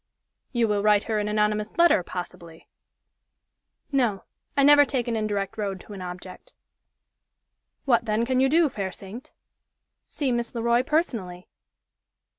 "You will write her an anonymous letter, possibly?" "No I never take an indirect road to an object." "What, then, can you do, fair saint?" "See Miss Le Roy, personally."